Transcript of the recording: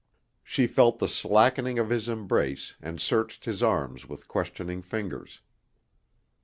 She felt the slackening of his embrace and searched his arms with questioning fingers.